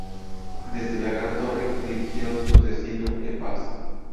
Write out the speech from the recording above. Desde la Gran Torre, dirigieron su destino en paz.